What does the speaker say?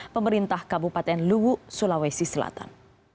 pemerintah kabupaten luwu sulawesi selatan